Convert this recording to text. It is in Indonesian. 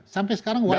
sampai sekarang wajahnya